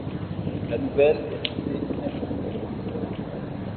La nouvelle est restée inachevée.